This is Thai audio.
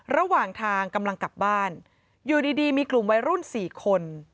ระหว่างทางกำลังกลับบ้านอยู่ดีมีกลุ่มวัยรุ่น๔คน